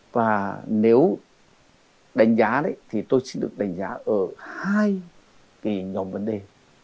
và nếu đánh giá đấy thì tôi xin được đánh giá ở hai cái nhóm vấn đề